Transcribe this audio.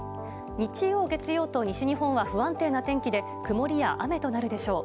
日曜、月曜と西日本は不安定な天気で曇りや雨となるでしょう。